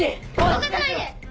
動かさないで！